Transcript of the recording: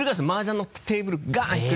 マージャンのテーブルガン！